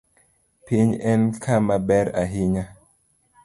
Piny en kama ber ahinya.